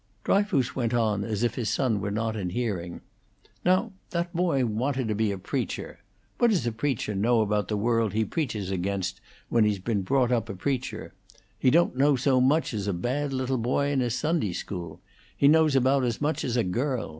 Dryfoos went on as if his son were not in hearing. "Now that boy wanted to be a preacher. What does a preacher know about the world he preaches against when he's been brought up a preacher? He don't know so much as a bad little boy in his Sunday school; he knows about as much as a girl.